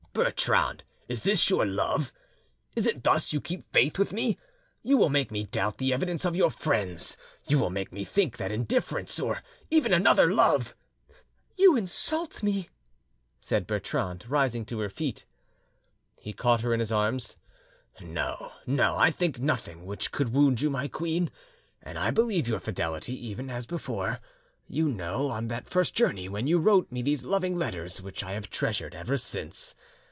"Bertrande, is this your love? Is it thus you keep faith with me? You will make me doubt the evidence of your friends; you will make me think that indifference, or even another love——" "You insult me," said Bertrande, rising to her feet. He caught her in his arms. "No, no; I think nothing which could wound you, my queen, and I believe your fidelity, even as before, you know, on that first journey, when you wrote me these loving letters which I have treasured ever since.